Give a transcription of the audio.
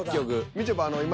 みちょぱ今。